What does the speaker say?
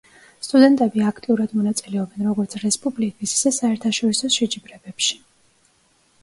სტუდენტები აქტიურად მონაწილეობენ როგორც რესპუბლიკის, ისე საერთაშორისო შეჯიბრებებში.